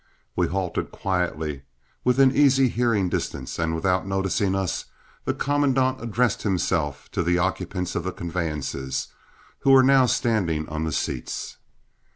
We halted quietly within easy hearing distance, and without noticing us the commandant addressed himself to the occupants of the conveyances, who were now standing on the seats.